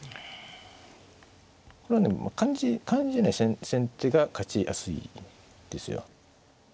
これはね感じね先手が勝ちやすいですよ。